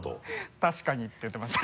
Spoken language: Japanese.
「確かに」って言ってました。